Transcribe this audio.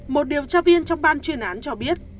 một điều tra viên trong ban chuyên án cho biết